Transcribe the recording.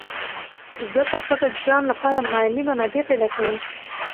زده کړه ښځه د ځان لپاره مالي منابع پیدا کوي.